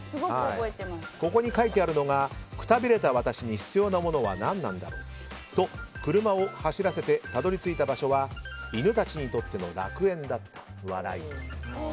ここに書いてあるのがくたびれた私に必要なものは何なんだろうと車を走らせてたどり着いた場所は犬たちにとっての楽園だった。笑。